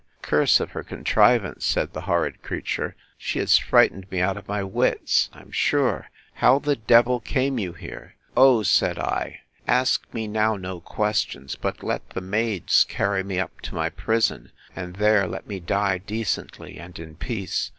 —Curse of her contrivance! said the horrid creature; she has frightened me out of my wits, I'm sure. How the d—l came you here?—Oh! said I, ask me now no questions, but let the maids carry me up to my prison; and there let me die decently, and in peace!